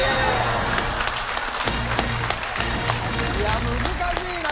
いや難しいな！